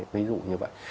ví dụ như vậy